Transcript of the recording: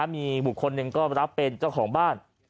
มีบุคคลหนึ่งก็รับเป็นเจ้าของบ้าน